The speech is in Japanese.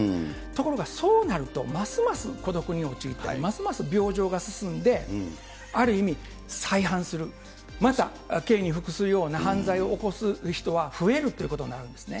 ところがそうなると、ますます孤独に陥ったり、ますます病状が進んで、ある意味、再犯する、また刑に服すような犯罪を起こす人は増えるっていうことになるんですね。